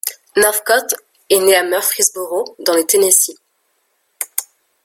Northcott est né à Murfreesboro dans le Tennessee.